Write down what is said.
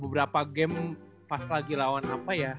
beberapa game pas lagi lawan apa ya